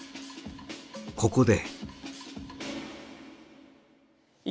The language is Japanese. ここで。